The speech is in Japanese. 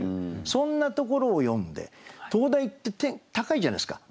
そんなところを詠んで灯台って高いじゃないですか。